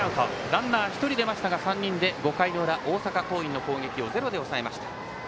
ランナー、１人出ましたが３人で５回の裏の大阪桐蔭の攻撃をゼロで抑えました。